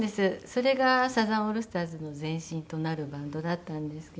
それがサザンオールスターズの前身となるバンドだったんですけれども。